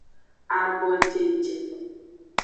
Abojeje.